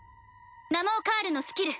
ナモーカールのスキル！